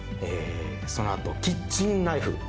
そのあとキッチンナイフ